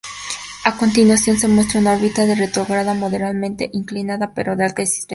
A continuación se muestra una órbita retrógrada moderadamente inclinada, pero de alta excentricidad.